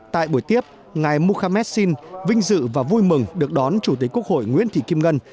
tại buổi tiếp ngài mohamed sin vinh dự và vui mừng được đón chủ tịch quốc hội nguyễn thị kim ngân